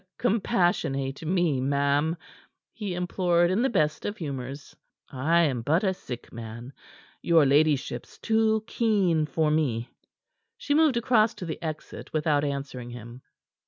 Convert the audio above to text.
"Compassionate me, ma'am," he implored in the best of humors. "I am but a sick man. Your ladyship's too keen for me." She moved across to the exit without answering him.